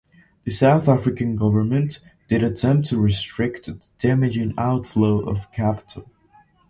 The South African government did attempt to restrict the damaging outflow of capital.